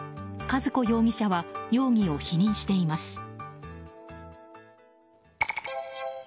和子容疑者は容疑を否認しています。